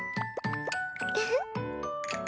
ウフッ。